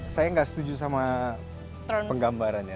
saya nggak setuju sama penggambarannya